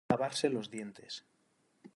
Lavarse los dientes.